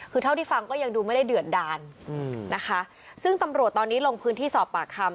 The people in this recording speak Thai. คือเท่าที่ฟังก็ยังดูไม่ได้เดือดดานนะคะซึ่งตำรวจตอนนี้ลงพื้นที่สอบปากคำ